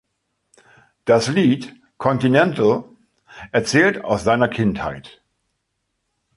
Das Lied „Continental“ erzählt aus seiner Kindheit.